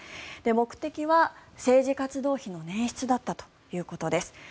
目的は政治活動費のねん出だったということです。